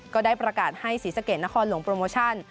ก็ได้ประกาศให้ศรีสะเกดนครหลวงโปรโมชั่น